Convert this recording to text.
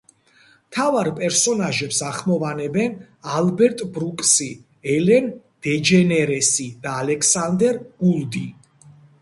მთავარ პერსონაჟებს ახმოვანებენ ალბერტ ბრუკსი, ელენ დეჯენერესი და ალექსანდერ გულდი.